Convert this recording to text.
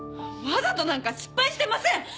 わざとなんか失敗してません！